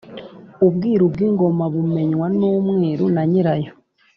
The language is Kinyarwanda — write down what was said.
Ubwiru bw’ingomabumenywa n’umwiru na nyirayo.